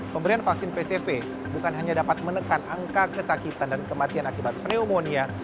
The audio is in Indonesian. pemberian vaksin pcv bukan hanya dapat menekan angka kesakitan dan kematian akibat pneumonia